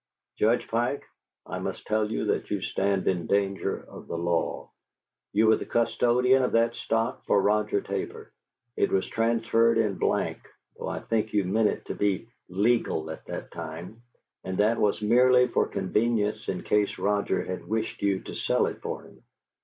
Judge Pike, I must tell you that you stand in danger of the law. You were the custodian of that stock for Roger Tabor; it was transferred in blank; though I think you meant to be 'legal' at that time, and that was merely for convenience in case Roger had wished you to sell it for him.